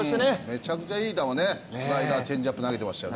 めちゃくちゃいい球、スライダー、チェンジアップ投げてましたね。